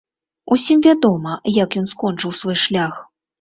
Усім вядома, як ён скончыў свой шлях.